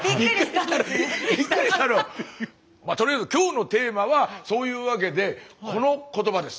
とりあえず今日のテーマはそういうわけでこの言葉です。